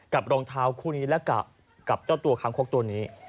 รองเท้าคู่นี้และกับเจ้าตัวคางคกตัวนี้